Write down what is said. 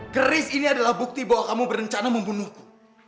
keris ini adalah bukti bahwa kamu berencana membunuhku